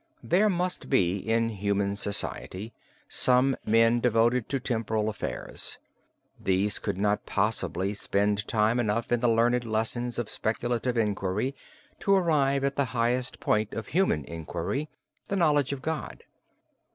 There must be in human society some men devoted to temporal affairs. These could not possibly spend time enough in the learned lessons of speculative inquiry to arrive at the highest point of human inquiry, the knowledge of God.